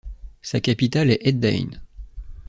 Sa capitale est Ed Daein.